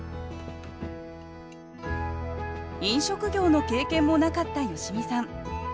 飲食業の経験もなかった吉美さん。